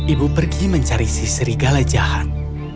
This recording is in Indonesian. ibu pergi mencari si serigala jahat